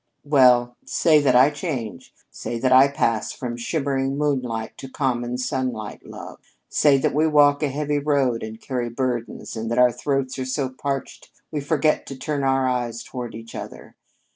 "Well, say that I change! Say that I pass from shimmering moonlight to common sunlight love! Say that we walk a heavy road and carry burdens and that our throats are so parched we forget to turn our eyes toward each other.